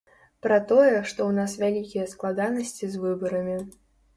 Пра тое, што ў нас вялікія складанасці з выбарамі.